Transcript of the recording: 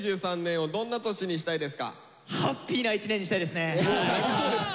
ハッピーな一年にしたいですね。